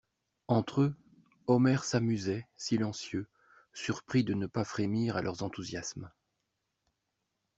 Entre eux, Omer s'amusait, silencieux, surpris de ne pas frémir à leurs enthousiasmes.